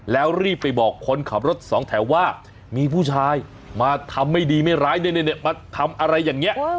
แล้วรีบไปบอกคนขับรถสองแถวว่ามีผู้ชายมาทำไม่ดีไม่ร้ายมาทำอะไรอย่างนี้